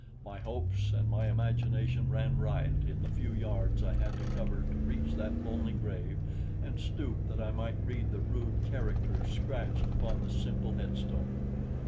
My hopes and my imagination ran riot in the few yards I had to cover to reach that lonely grave and stoop that I might read the rude characters scratched upon the simple headstone.